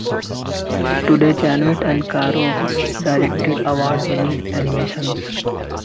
Together, Jeunet and Caro directed award-winning animations.